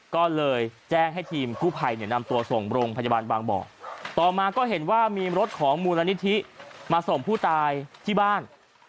ก็เลยแจ้งให้ทีมกู้ภัยเนี่ยนำตัวส่งโรงพยาบาลบางบ่อต่อมาก็เห็นว่ามีรถของมูลนิธิมาส่งผู้ตายที่บ้าน